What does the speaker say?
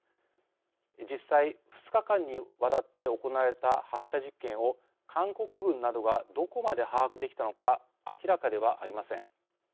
実際、２日間にわたって行われた発射実験を韓国軍などがどこまで把握できたのか明らかではありません。